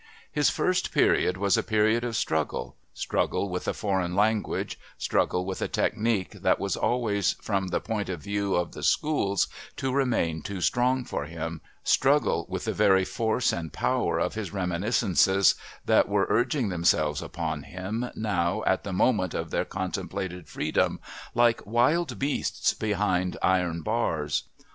His first period was a period of struggle, struggle with a foreign language, struggle with a technique that was always, from the point of view of the "schools," to remain too strong for him, struggles with the very force and power of his reminiscences that were urging themselves upon him, now at the moment of their contemplated freedom, like wild beasts behind iron bars.